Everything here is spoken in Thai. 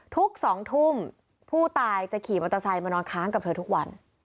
ทุก๒ทุ่มผู้ตายจะขี่มอเตอร์ไซค์มานอนค้างกับเธอทุกวัน